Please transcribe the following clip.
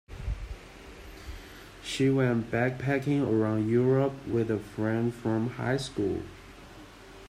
She went backpacking around Europe with a friend from high school.